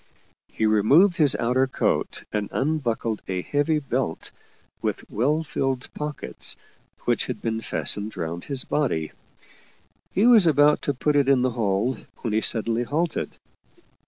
He removed his outer coat and 44 Paul Heyst unbuckled a heavy belt with well filled pockets, which had been fastened round his body. He was about to put it in the hole when he suddenly halted.